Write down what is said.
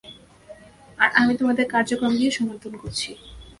আর আমি তোমাদের কার্যক্রমকেও সমর্থন করছি।